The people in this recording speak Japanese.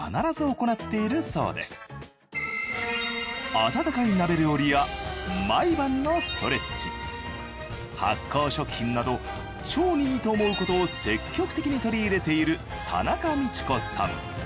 温かい鍋料理や毎晩のストレッチ発酵食品など腸にいいと思うことを積極的に取り入れている田中道子さん。